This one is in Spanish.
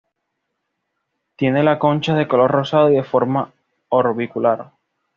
Tiene la concha de color rosado y de forma orbicular.